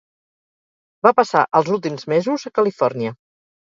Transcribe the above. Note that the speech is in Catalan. Va passar els últims mesos a Califòrnia.